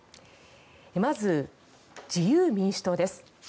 まず、自由民主党です。